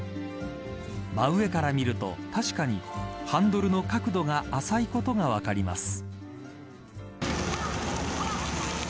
真上から見ると確かにハンドルの角度が浅いことが分かります。